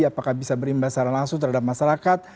apakah bisa berimbasaran langsung terhadap masyarakat